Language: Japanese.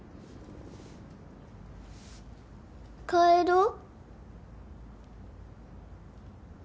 帰ろう。